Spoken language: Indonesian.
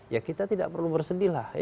ya kita tidak perlu bersedih lah